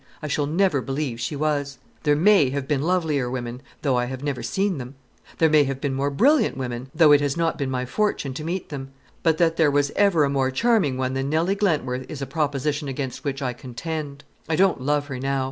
I shall never believe she was. There may have been lovelier women, though I have never seen them; there may have been more brilliant women, though it has not been my fortune to meet them; but that there was ever a more charming one than Nelly Glentworth is a proposition against which I contend. I don't love her now.